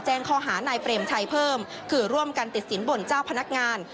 ข้อหานายเปรมชัยเพิ่มคือร่วมกันติดสินบนเจ้าพนักงาน